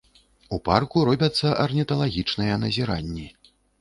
У парку робяцца арніталагічныя назіранні.